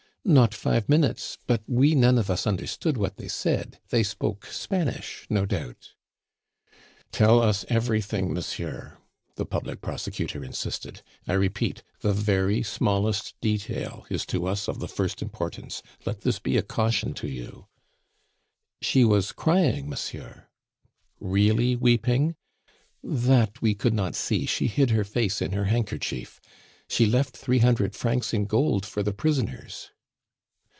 "Not five minutes; but we none of us understood what they said; they spoke Spanish no doubt." "Tell us everything, monsieur," the public prosecutor insisted. "I repeat, the very smallest detail is to us of the first importance. Let this be a caution to you." "She was crying, monsieur." "Really weeping?" "That we could not see, she hid her face in her handkerchief. She left three hundred francs in gold for the prisoners."